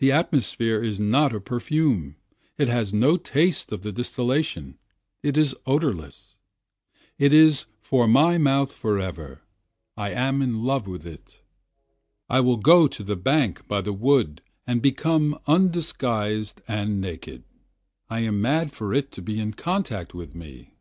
The atmosphere is not a perfume, it has no taste of the distillation, it is odorless, It is for my mouth forever, I am in love with it, I will go to the bank by the wood and become undisguised and naked, I am mad for it to be in contact with me.